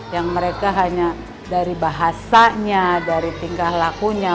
yang mereka hanya dari bahasanya dari tingkah lakunya